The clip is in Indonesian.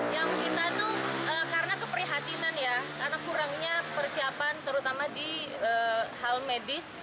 yang kita tuh karena keprihatinan ya karena kurangnya persiapan terutama di hal medis